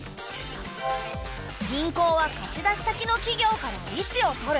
銀行は貸し出し先の企業から利子をとる。